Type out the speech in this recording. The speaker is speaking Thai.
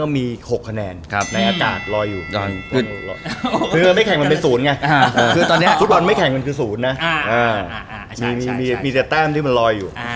มีแต่แต้มที่มันลอยอยู่